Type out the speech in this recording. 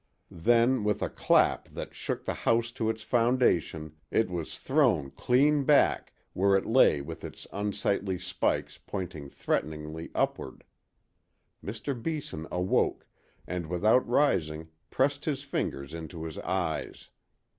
Then, with a clap that shook the house to its foundation, it was thrown clean back, where it lay with its unsightly spikes pointing threateningly upward. Mr. Beeson awoke, and without rising, pressed his fingers into his eyes.